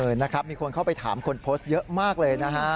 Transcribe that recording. นะครับมีคนเข้าไปถามคนโพสต์เยอะมากเลยนะฮะ